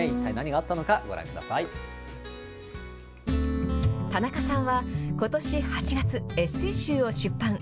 一体何があったのか、ご覧くださ田中さんはことし８月、エッセー集を出版。